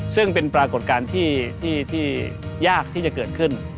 ซึ่งเป็นปรากฏการณ์ที่ยากที่จะเกิดขึ้น